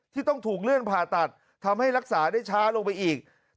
ต้องถูกเลื่อนผ่าตัดทำให้รักษาได้ช้าลงไปอีก